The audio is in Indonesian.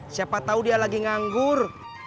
siapa tahu dia lagi nganggur